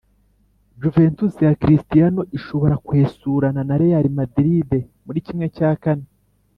Juventus ya cristiano ishobora kwesurana na real Madrid muri kimwe cya kane